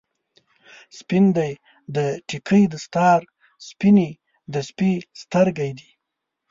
سپین دی د ټګۍ دستار، سپینې د سپي سترګی دي